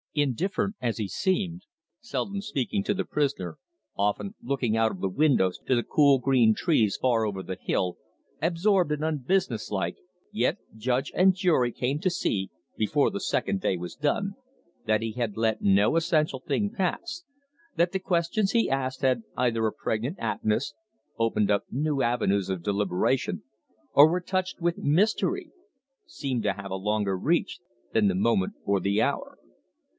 Indifferent as he seemed, seldom speaking to the prisoner, often looking out of the windows to the cool green trees far over on the hill, absorbed and unbusinesslike, yet judge and jury came to see, before the second day was done, that he had let no essential thing pass, that the questions he asked had either a pregnant aptness, opened up new avenues of deliberation, or were touched with mystery seemed to have a longer reach than the moment or the hour.